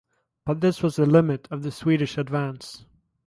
But this was the limit of the Swedish advance.